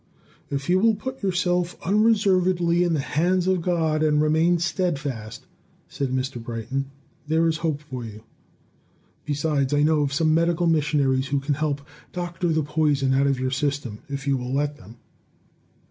"If you will put yourself unreservedly in the hands of God, and remain steadfast," said Mr. Brighton, "there is hope for you. Besides, I know of some medical missionaries who can help doctor the poison out of your system, if you will let them."